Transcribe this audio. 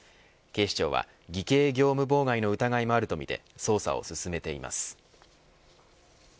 警視庁は偽計業務妨害の疑いもあるとみて捜査を進めています。